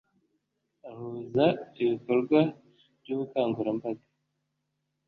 ahuza ibikorwa by ubukangurambaga